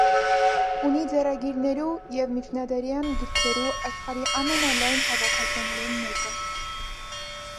Ունի ձեռագիրներու եւ միջնադարեան գիրքերու աշխարհի ամենալայն հաւաքածոներէն մէկը։